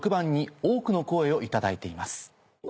多くの声を頂いています。